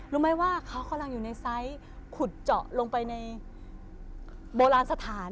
รู้ไหมว่าเขากำลังอยู่ในไซส์ขุดเจาะลงไปในโบราณสถาน